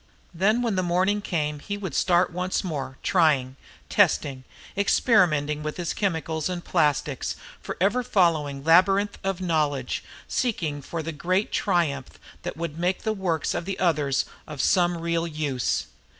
Then when morning came he would start once more trying, testing, experimenting with his chemicals and plastics, forever following labyrinth of knowledge, seeking for the great triumph that would make the work of the others of some real use.